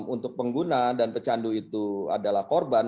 untuk pengguna dan pecandu itu adalah korban